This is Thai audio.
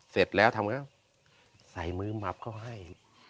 เสร็จแล้วทำไงก็ใส่มือหมับเขาให้